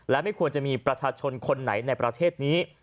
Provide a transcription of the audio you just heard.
และไม่ควรจะมีประชาชนคนไหนในประเทศนี้